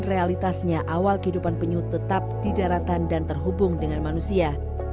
realitasnya awal kehidupan penyu tetap di daratan dan terhubung dengan manusia